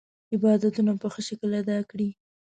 عبادتونه په ښه شکل ادا کړي.